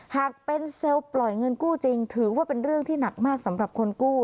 หากเป็นเซลล์ปล่อยเงินกู้จริงถือว่าเป็นเรื่องที่หนักมากสำหรับคนกู้